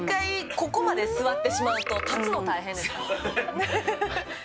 ここまで座ってしまうと、立つの大変です。